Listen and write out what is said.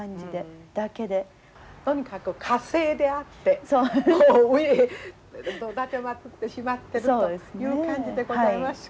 とにかく歌聖であって上へおだてまつってしまってるという感じでございますか。